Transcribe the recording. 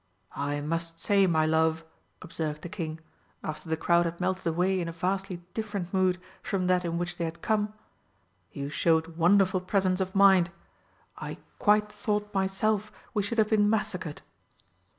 "I must say, my love," observed the King, after the crowd had melted away in a vastly different mood from that in which they had come, "you showed wonderful presence of mind. I quite thought myself we should have been massacred."